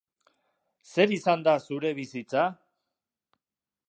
Zer izan da zure bizitza?